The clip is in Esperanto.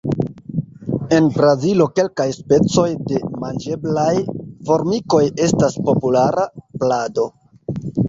En Brazilo kelkaj specoj de manĝeblaj formikoj estas populara plado.